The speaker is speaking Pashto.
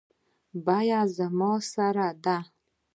بیه زما سره ده